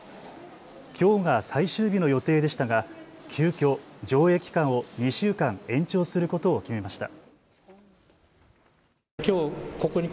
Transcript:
きょうが最終日の予定でしたが急きょ、上映期間を２週間延長することを決めました。